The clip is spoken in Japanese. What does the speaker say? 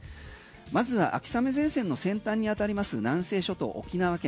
まずは秋雨前線の先端に当たります南西諸島、沖縄県。